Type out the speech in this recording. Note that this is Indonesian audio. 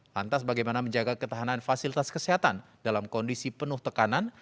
lantas bagaimana menjaga ketahanan fasilitas kesehatan dalam kondisi penuh tekanan